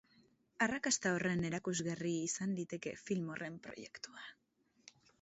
Arrakasta horren erakusgarri izan liteke film horren proiektua.